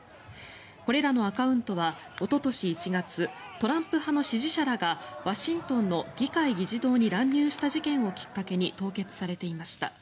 これらのアカウントはおととし１月トランプ派の支持者らがワシントンの議会議事堂に乱入した事件をきっかけに凍結されていました。